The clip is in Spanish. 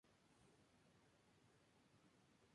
Yo ayudaba a pulir las canciones.